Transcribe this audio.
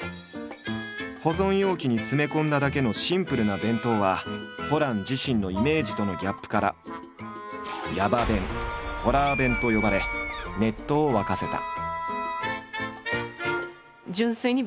保存容器に詰め込んだだけのシンプルな弁当はホラン自身のイメージとのギャップから「ヤバ弁」「ホラー弁」と呼ばれネットを沸かせた。